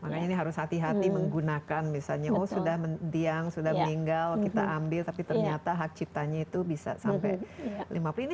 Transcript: makanya ini harus hati hati menggunakan misalnya oh sudah diang sudah meninggal kita ambil tapi ternyata hak ciptanya itu bisa sampai lima puluh tahun